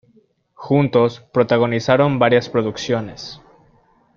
Juntos protagonizaron varias producciones.